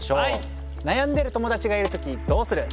悩んでいる友だちがいるときどうする？